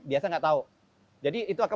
biasa nggak tahu jadi itu akan